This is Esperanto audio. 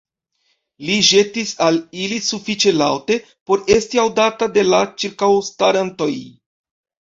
li ĵetis al ili sufiĉe laŭte, por esti aŭdata de la ĉirkaŭstarantoj.